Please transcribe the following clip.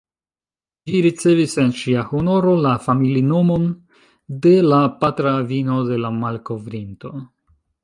Ĝi ricevis, en ŝia honoro, la familinomon de la patra avino de la malkovrinto.